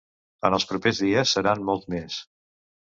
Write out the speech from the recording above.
En els propers dies seran molts més.